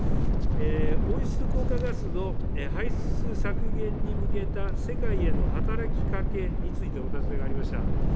温室効果ガスの排出削減に向けた世界への働きかけについてお尋ねがありました。